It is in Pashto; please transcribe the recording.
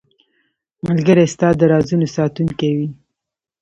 ملګری ستا د رازونو ساتونکی وي.